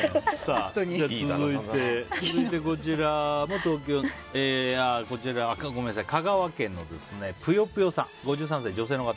続いて、香川県の５３歳、女性の方。